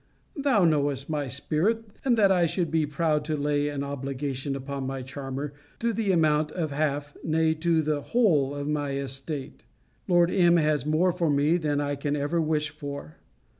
Thou knowest my spirit; and that I should be proud to lay an obligation upon my charmer to the amount of half, nay, to the whole of my estate. Lord M. has more for me than I can ever wish for.